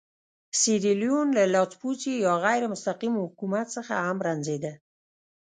سیریلیون له لاسپوڅي یا غیر مستقیم حکومت څخه هم رنځېده.